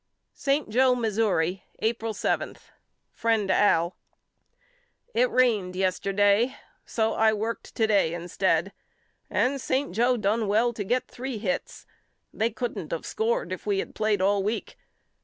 St. Joe, Missouri, April 7. FRIEND AL: It rained yesterday so I worked to day instead and St. Joe done well to get three hits. They couldn't of scored if we had played all week.